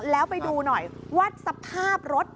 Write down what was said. แล้วไปดูหน่อยว่าสภาพรถ